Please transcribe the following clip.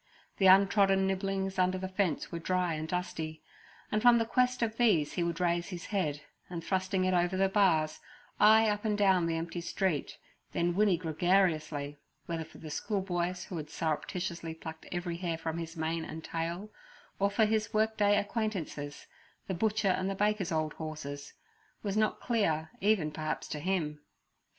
The untrodden nibblings under the fence were dry and dusty, and from the quest of these he would raise his head, and thrusting it over the bars, eye up and down the empty street, then whinny gregariously—whether for the schoolboys who had surreptitiously plucked every hair from his mane and tail, or for his work day acquaintances, the butcher and the baker's old horses, was not clear even perhaps to him.